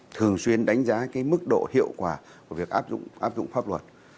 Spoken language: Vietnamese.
thường xuyên đánh giá mức độ hiệu quả của việc áp dụng pháp luật